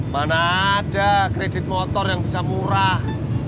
mana ada kredit motor yang bisa murah